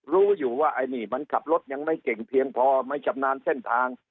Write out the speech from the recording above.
รู้อยู่ว่าไอ้นี่มันขับรถยังไม่เก่งเพียงพอไม่ชำนาญเส้นทาง